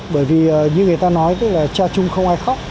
bởi vì như người ta nói chào chung không ai khóc